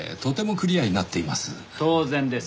当然です。